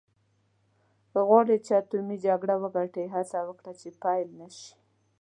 که غواړې چې اټومي جګړه وګټې هڅه وکړه چې پیل نه شي.